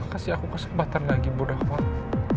kasih aku kesempatan lagi bu nawang